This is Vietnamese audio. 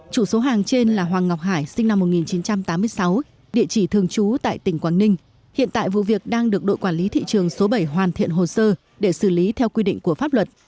chủ số hàng trên là hoàng ngọc hải sinh năm một nghìn chín trăm tám mươi sáu địa chỉ thường trú tại tỉnh quảng ninh hiện tại vụ việc đang được đội quản lý thị trường số bảy hoàn thiện hồ sơ để xử lý theo quy định của pháp luật